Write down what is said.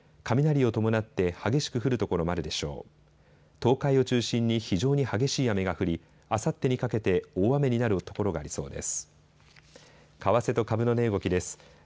東海を中心に非常に激しい雨が降り、あさってにかけて大雨になるところがありそうです。